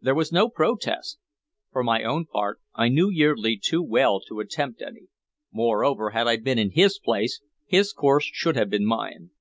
There was no protest. For my own part, I knew Yeardley too well to attempt any; moreover, had I been in his place, his course should have been mine.